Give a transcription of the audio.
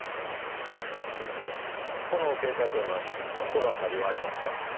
この携帯電話に心当たりはありますか？